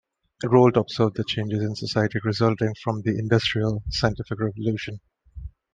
Rolt observed the changes in society resulting from the industrial-scientific revolution.